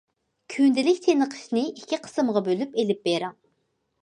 كۈندىلىك چېنىقىشنى ئىككى قىسىمغا بۆلۈپ ئېلىپ بېرىڭ.